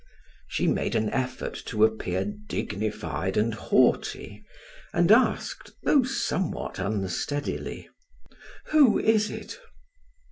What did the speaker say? She made an effort to appear dignified and haughty, and asked, though somewhat unsteadily: "Who is it?"